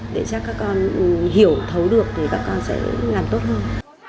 để cho các con hiểu thấu được thì các con sẽ làm tốt hơn